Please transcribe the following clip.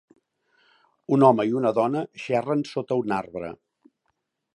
Un home i una dona xerren sota un arbre.